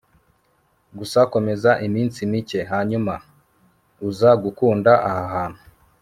gusa komeza iminsi mike hanyuma uza gukunda aha hantu